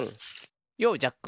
ようジャック。